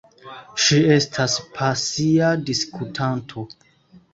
Ŝi estas pasia diskutanto.